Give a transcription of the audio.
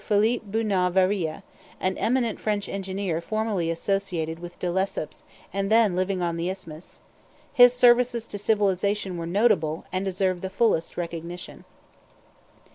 Philippe Bunau Varilla, an eminent French engineer formerly associated with De Lesseps and then living on the Isthmus; his services to civilization were notable, and deserve the fullest recognition.